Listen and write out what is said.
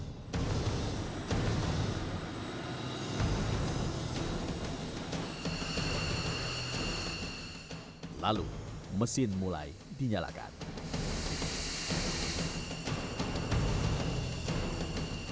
pertama sekali para pilot susah langsung melandai tulang